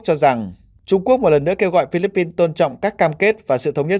cho rằng trung quốc một lần nữa kêu gọi philippines tôn trọng các cam kết và sự thống nhất